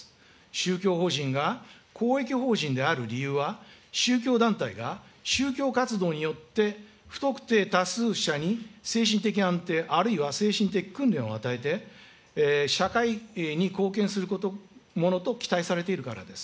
宗教法人が公益法人である理由は宗教団体が宗教活動によって、不特定多数者に精神的安定、あるいは精神的訓練を与えて、社会に貢献するものと期待されているからです。